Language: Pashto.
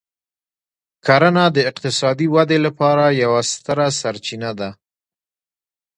کرنه د اقتصادي ودې لپاره یوه ستره سرچینه ده.